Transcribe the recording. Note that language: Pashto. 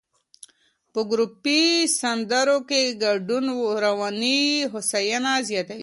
په ګروپي سندرو کې ګډون رواني هوساینه زیاتوي.